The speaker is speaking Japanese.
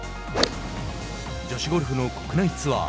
女子ゴルフの国内ツアー。